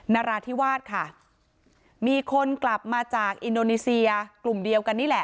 นาราธิวาสค่ะมีคนกลับมาจากอินโดนีเซียกลุ่มเดียวกันนี่แหละ